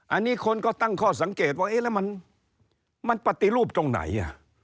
อันนี้คนก็ตั้งข้อสังเกตว่าเอ๊ะแล้วมันปฏิรูปตรงไหน